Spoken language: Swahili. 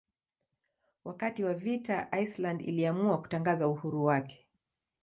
Wakati wa vita Iceland iliamua kutangaza uhuru wake.